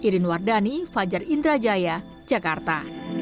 dhani fajar indrajaya jakarta